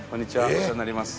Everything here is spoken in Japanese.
お世話になります。